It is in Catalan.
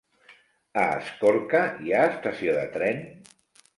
A Escorca hi ha estació de tren?